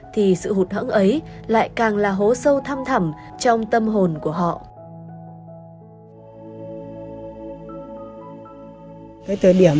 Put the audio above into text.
thì sự hụt hỡng ấy lại càng là hố sâu thăm thẳm trong tâm hồn của họ